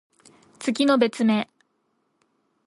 月の別名。